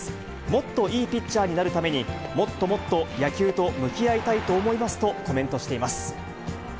もっといいピッチャーになるために、もっともっと野球と向き合いたいと思いますとコメントしています。